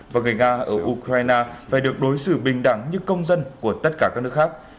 và người nga ở ukraine phải được đối xử bình đẳng như công dân của tất cả các nước khác